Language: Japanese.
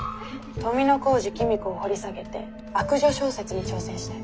「富小路公子を掘り下げて悪女小説に挑戦したい。